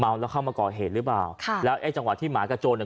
แล้วเข้ามาก่อเหตุหรือเปล่าค่ะแล้วไอ้จังหวะที่หมากระโจนเนี่ย